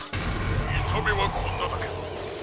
「みためはこんなだけど」。